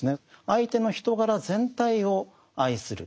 相手の人柄全体を愛する。